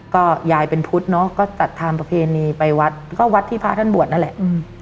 ก็ยายเป็นพุทธเนอะก็จัดทำประเพณีไปวัดก็วัดที่พระท่านบวชนั่นแหละ